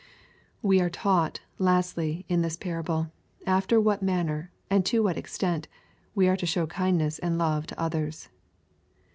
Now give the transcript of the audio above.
We are taught, lastly, in this parable, after whai \ manner y and to what extent we are to show kindness and love to others.